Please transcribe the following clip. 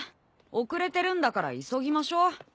遅れてるんだから急ぎましょう。